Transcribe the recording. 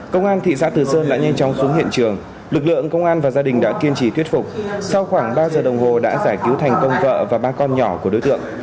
công an thị xã từ sơn đã nhanh chóng xuống hiện trường lực lượng công an và gia đình đã kiên trì thuyết phục sau khoảng ba giờ đồng hồ đã giải cứu thành công vợ và ba con nhỏ của đối tượng